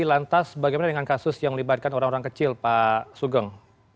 lantas bagaimana dengan kasus yang melibatkan orang orang kecil pak sugeng